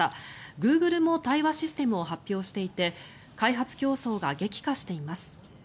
グーグルも対話システムを発表していて開発競争が激化しています。